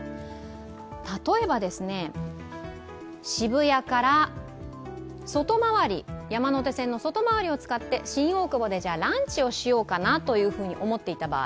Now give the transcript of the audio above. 例えば渋谷から山手線の外回りを使って新大久保でランチをしようと思っていた場合。